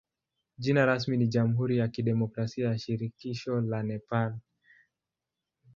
Jina rasmi ni jamhuri ya kidemokrasia ya shirikisho la Nepal.